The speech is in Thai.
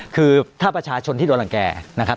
คือถ้าประชาชนที่โดนรังแก่นะครับ